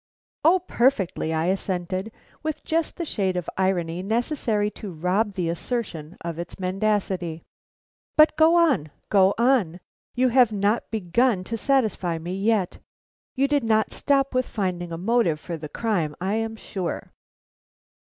"O perfectly!" I assented, with just the shade of irony necessary to rob the assertion of its mendacity. "But go on, go on. You have not begun to satisfy me yet. You did not stop with finding a motive for the crime I am sure."